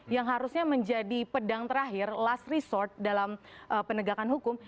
yang harusnya menjadi pedang terakhir last resort dalam penegakan hukum